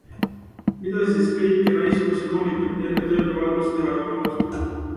Mida siis kõike naisbossid hommikuti, enne tööpäeva algust teha jõuavad?